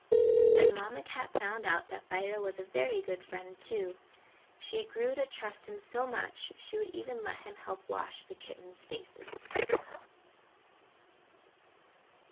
And Mamma Cat found out that Fido was a very good friend, too. She grew to trust him so much she would even let him help wash the kittens' faces.